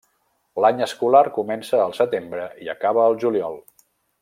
L'any escolar comença el setembre i acaba el juliol.